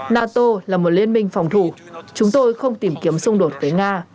nato là một liên minh phòng thủ chúng tôi không tìm kiếm xung đột tới nga